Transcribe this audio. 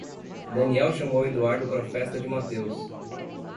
Daniel chamou Eduardo pra festa de Matheus.